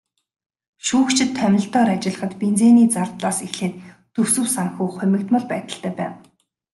Шүүгчид томилолтоор ажиллахад бензиний зардлаас эхлээд төсөв санхүү хумигдмал байдалтай байна.